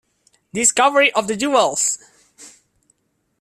Discovery of the jewels!